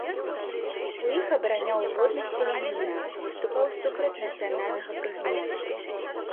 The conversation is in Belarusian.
У іх абараняў годнасць селяніна, выступаў супраць нацыянальнага прыгнёту.